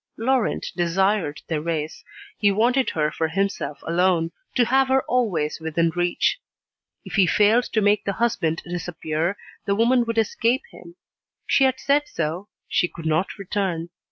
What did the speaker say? Laurent desired Thérèse; he wanted her for himself alone, to have her always within reach. If he failed to make the husband disappear, the woman would escape him. She had said so: she could not return.